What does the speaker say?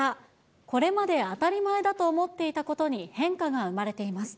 これまで当たり前だと思っていたことに変化が生まれています。